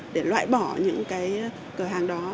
để loại bỏ những cái cửa hàng đó